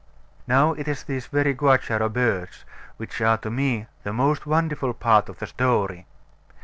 Now, it is these very Guacharo birds which are to me the most wonderful part of the story.